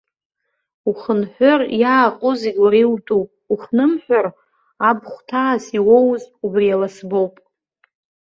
Ухынҳәыр, иааҟоу зегьы уара иутәуп, ухнымҳәыр, абхәҭаас иуоуз убри аласбоуп.